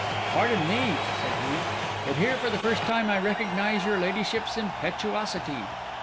'Pardon me,' said he; 'but here for the first time I recognise your ladyship's impetuosity.